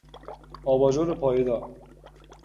آباژور پایه دار